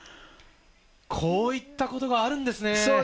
こういったことがあるんですね。